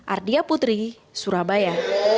ardia putri surabaya